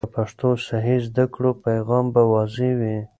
که پښتو صحیح زده کړو، پیغام به واضح وي.